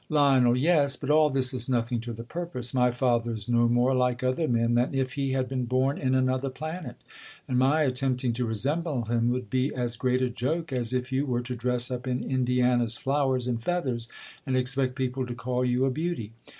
Lion, Yes ; but all this is nothing to the purpose. My father is no more like other men than if he had been born in another planet ; and my attempting to resemble him would be as great a joke, as if you were to dress up in Indiana's flowers and feathers^ and ex pect people to call you a beauty.